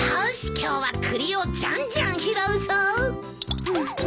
今日は栗をじゃんじゃん拾うぞ！